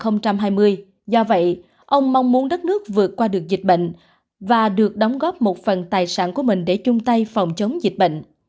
năm hai nghìn hai mươi do vậy ông mong muốn đất nước vượt qua được dịch bệnh và được đóng góp một phần tài sản của mình để chung tay phòng chống dịch bệnh